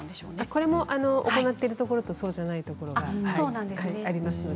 これも行っているところとそうじゃないところがあります。